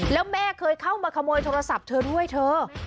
แล้วแม่เคยเข้ามาขโมยโทรศัพท์เธอด้วยเธอ